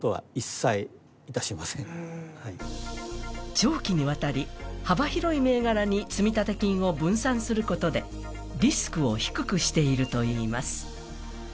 長期にわたり、幅広い銘柄に積立金を分散することでリスクを低くしているといいます。